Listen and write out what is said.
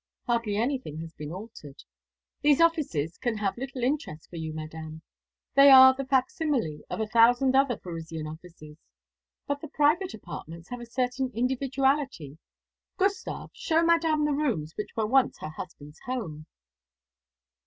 Hardly anything has been altered. These offices can have little interest for you, Madame. They are the facsimile of a thousand other Parisian offices. But the private apartments have a certain individuality. Gustav, show Madame the rooms which were once her husband's home."